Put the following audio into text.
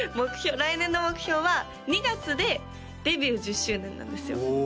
来年の目標は２月でデビュー１０周年なんですよお！